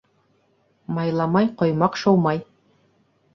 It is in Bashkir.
Майламай, ҡоймаҡ шыумай.